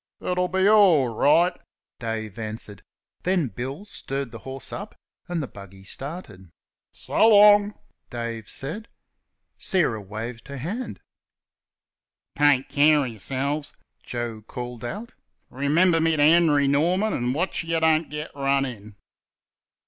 "It'll be orl right," Dave answered; then Bill stirred the horse up, and the buggy started. "So long!" Dave said. Sarah waved her hand. "Take care of y'selves," Joe called out; "remember me to Henry Norman, and watch you don't get run in!"